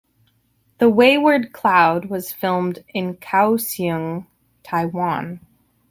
"The Wayward Cloud" was filmed in Kaohsiung, Taiwan.